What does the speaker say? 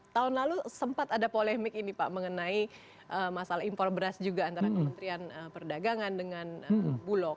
tahun lalu sempat ada polemik ini pak mengenai masalah impor beras juga antara kementerian perdagangan dengan bulog